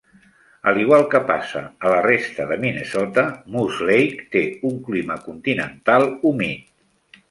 Al igual que passa a la resta de Minnesota, Moose Lake té un clima continental humit.